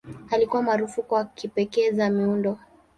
Alikuwa maarufu kwa kipekee za miundo.